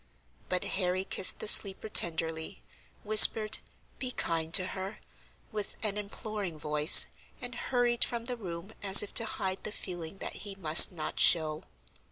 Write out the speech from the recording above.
But Harry kissed the sleeper tenderly, whispered, "Be kind to her," with an imploring voice, and hurried from the room as if to hide the feeling that he must not show.